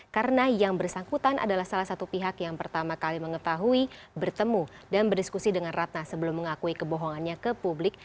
karena yang bersangkutan adalah salah satu pihak yang pertama kali mengetahui bertemu dan berdiskusi dengan ratna sebelum mengakui kebohongannya ke publik